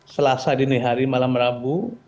selasa dini hari malam rabu